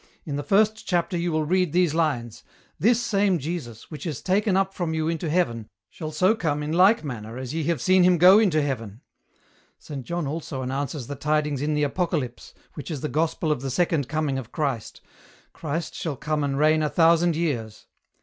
In the first chapter you will read these lines, 'This same Jesus, which is taken up from you into heaven shall so come in like manner as ye have seen him go into heaven.' Saint John also announces the tidings in the Apocalypse, which is the gospel of the second coming of Christ, 'Christ shall come and reign a thousand years.'